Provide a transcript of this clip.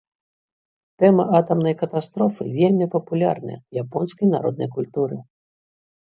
Тэма атамнай катастрофы вельмі папулярная ў японскай народнай культуры.